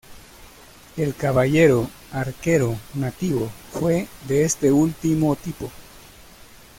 El caballero arquero nativo fue de este último tipo.